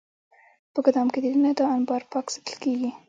په ګدام کې دننه دا انبار پاک ساتل کېږي.